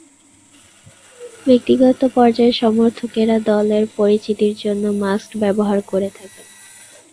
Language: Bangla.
ব্যক্তিগত পর্যায়ে সমর্থকেরা দলের পরিচিতির জন্য মাস্কট ব্যবহার করে থাকেন।